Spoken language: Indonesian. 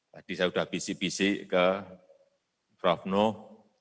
tadi saya sudah bisik bisik ke prof nuh